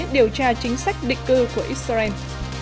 điều tra chính sách định cư của israel